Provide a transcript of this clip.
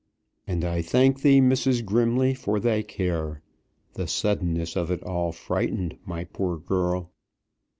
"And I thank thee, Mrs. Grimley, for thy care. The suddenness of it all frightened my poor girl."